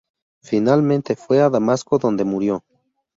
Finalmente fue a Damasco, donde murió.